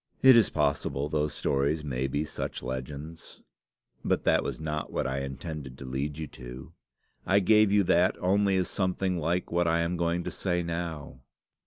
"It is possible those stories may be such legends; but that was not what I intended to lead you to. I gave you that only as something like what I am going to say now.